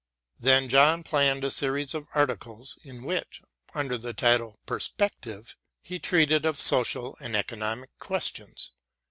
Then John planned a series of articles in which, under the title "Perspective," he treated of social and economic questions.